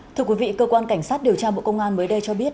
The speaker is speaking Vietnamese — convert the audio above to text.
thưa quý vị cơ quan cảnh sát điều tra bộ công an mới đây cho biết